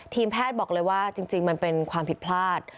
แพทย์บอกเลยว่าจริงมันเป็นความผิดพลาด